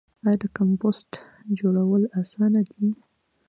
آیا د کمپوسټ جوړول اسانه دي؟